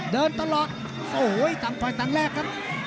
เดินตลอดโอ้โหต่างฝ่ายต่างแรกครับ